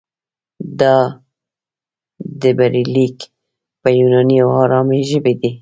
دا ډبرلیک په یوناني او ارامي ژبه دی